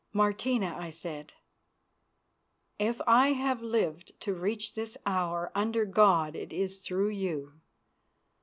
"Martina," I said, "if I have lived to reach this hour, under God it is through you.